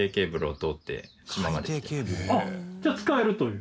じゃあ使えるという。